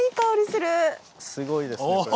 おおすごいですね。